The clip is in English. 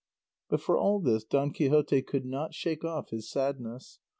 But for all this Don Quixote could not shake off his sadness.